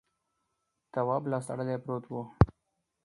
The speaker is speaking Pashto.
تواب لاس تړلی پروت و.